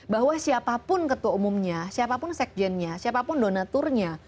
bahwa siapapun ketua umumnya siapapun sekjennya siapapun donaturnya